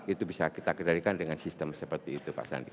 itu bisa kita kendalikan dengan sistem seperti itu pak sandi